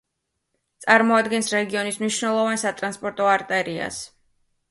წარმოადგენს რეგიონის მნიშვნელოვან სატრანსპორტო არტერიას.